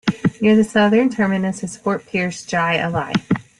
Near the southern terminus is Fort Pierce Jai-Alai.